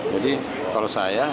jadi kalau saya